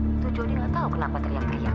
itu jody gak tahu kenapa teriak teriak